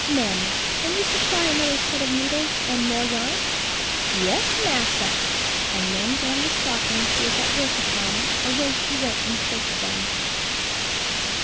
"Mammy, can you supply another set of needles, and more yarn?" "Yes, massa;" and laying down the stocking she was at work upon, away she went in search of them.